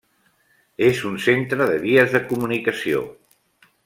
És un centre de vies de comunicació.